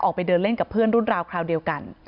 ออกไปเดินเล่นกับเพื่อนรุ่นราวคราวเดียวกัน